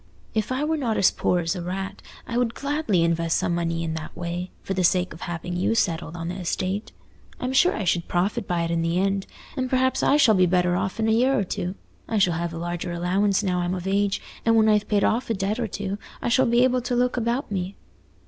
If I were not as poor as a rat, I would gladly invest some money in that way, for the sake of having you settled on the estate. I'm sure I should profit by it in the end. And perhaps I shall be better off in a year or two. I shall have a larger allowance now I'm of age; and when I've paid off a debt or two, I shall be able to look about me."